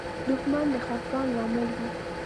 دښمن د خفګان لامل وي